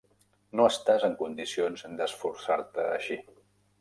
No estàs en condicions d'esforçar-te així.